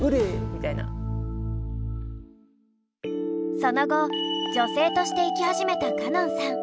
その後女性として生き始めた歌音さん。